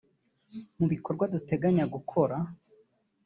Mu bikorwa duteganya gukora